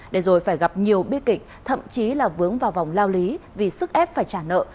để rồi phải gặp nhiều bi kịch thậm chí là vướng vào vòng lao lý vì sức ép phải trả nợ